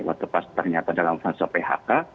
waktu pas ternyata dalam fase phk